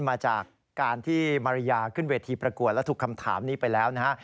มาจากการที่มาริยาขึ้นเวทีประกวดและถูกคำถามนี้ไปแล้วนะฮะ